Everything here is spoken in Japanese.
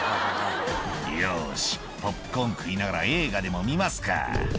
「よしポップコーン食いながら映画でも見ますか」